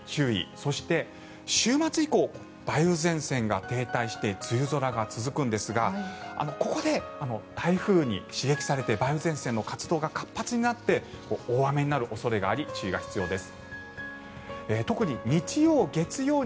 そして、週末以降梅雨前線が停滞して梅雨空が続くんですがここで台風に刺激されて梅雨前線の活動が活発になって大雨になる恐れがあり注意が必要です。